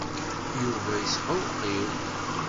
Yuba yesqewqiw.